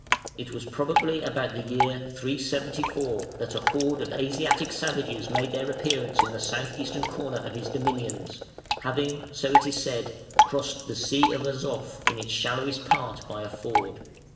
It was probably about the year 374 that a horde of Asiatic savages made their appearance in the south eastern corner of his dominions, having, so it is said, crossed the Sea of Azof in its shallowest part by a ford.